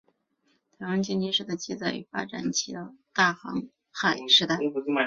台湾经济史的记载与发展起自大航海时代。